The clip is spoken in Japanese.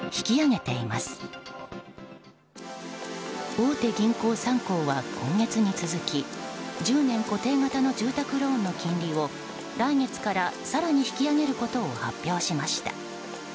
大手銀行３行は今月に続き１０年固定型の住宅ローンの金利を来月から更に引き上げることを発表しました。